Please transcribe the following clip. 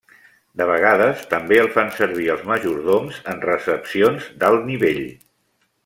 De vegades també el fan servir els majordoms en recepcions d'alt nivell.